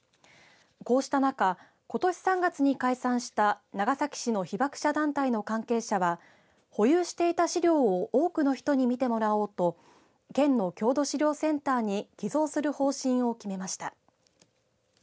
こうした中ことし３月に解散した長崎市の被爆者団体の関係者は保有していた資料を多くの人に見てもらおうと県の郷土資料センターに寄贈する方針を決めました。